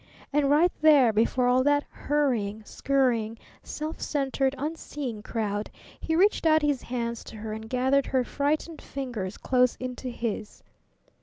And right there before all that hurrying, scurrying, self centered, unseeing crowd, he reached out his hands to her and gathered her frightened fingers close into his.